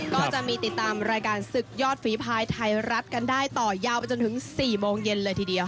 ก็จะมีติดตามรายการศึกยอดฝีภายไทยรัฐกันได้ต่อยาวไปจนถึง๔โมงเย็นเลยทีเดียว